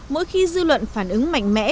mỗi khi dư luận phản ứng mạnh mẽ